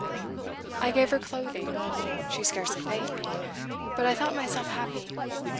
I gave her clothing; she scarcely thanked me, but I thought myself happy.